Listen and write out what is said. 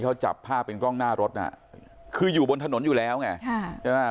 เขาจับภาพเป็นกล้องหน้ารถน่ะคืออยู่บนถนนอยู่แล้วไงค่ะใช่ไหม